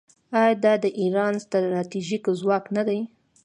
آیا دا د ایران ستراتیژیک ځواک نه دی؟